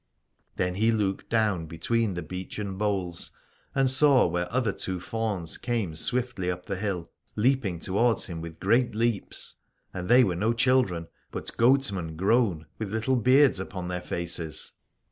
Aladore Then he looked down between the beechen boles and saw where other two fauns came swiftly up the hill, leaping towards him with great leaps : and they were no children but goatmen grown with little beards upon their faces.